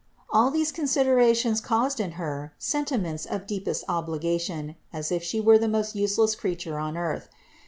All these considerations caused in Her sentiments of deepest obligation, as if She were the most useless creature on earth.